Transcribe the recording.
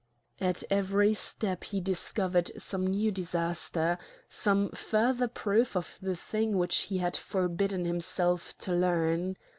At every step he discovered some new disaster, some further proof of the thing which he had forbidden himself to learn.